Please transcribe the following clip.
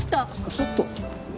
ちょっと？